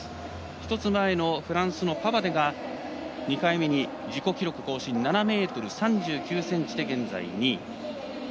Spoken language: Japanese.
１つ前のフランスのパバデが２回目に自己記録更新７ｍ３９ｃｍで現在２位。